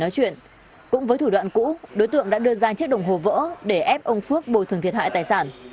nói chuyện cũng với thủ đoạn cũ đối tượng đã đưa ra chiếc đồng hồ vỡ để ép ông phước bồi thường thiệt hại tài sản